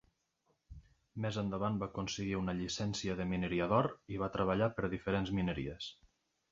Més endavant va aconseguir una llicència de mineria d'or i va treballar per a diferents mineries.